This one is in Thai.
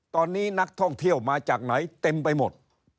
ตอนนี้นักท่องเที่ยวมาจากไหนเต็มไปหมด